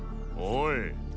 おい。